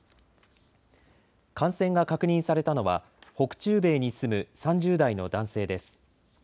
感染が確認されたのは北中米に住む３０代の男性です。